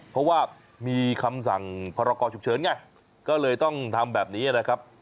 เพราะว่ามีคำสั่งพรกรฉุกเฉินไงก็เลยต้องทำแบบนี้นะครับ